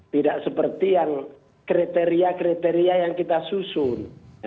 tidak seperti yang kriteria kriteria yang kita susun